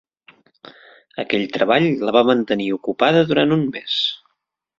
Aquell treball la va mantenir ocupada durant un mes.